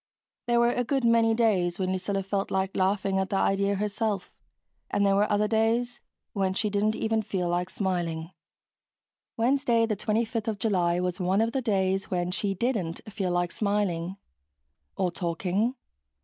There were a good many days when Lucilla felt like laughing at the idea herself. And there were other days when she didn't even feel like smiling. Wednesday, the 25th of July, was one of the days when she didn't feel like smiling. Or talking.